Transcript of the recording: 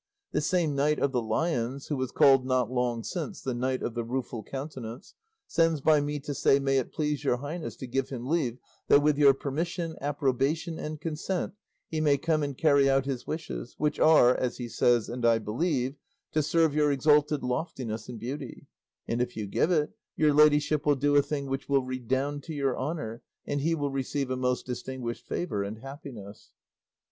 This same Knight of the Lions, who was called not long since the Knight of the Rueful Countenance, sends by me to say may it please your highness to give him leave that, with your permission, approbation, and consent, he may come and carry out his wishes, which are, as he says and I believe, to serve your exalted loftiness and beauty; and if you give it, your ladyship will do a thing which will redound to your honour, and he will receive a most distinguished favour and happiness."